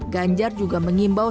ganjar juga mengimbau